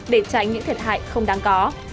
để tránh những thiệt hại không đáng có